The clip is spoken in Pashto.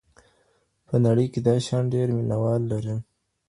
په نړۍ کې دا شیان ډېر مینوال لري.